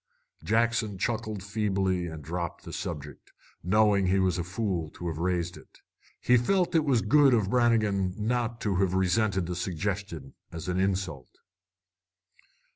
Jackson chuckled feebly and dropped the subject, knowing he was a fool to have raised it. He felt it was good of Brannigan not to have resented the suggestion as an insult.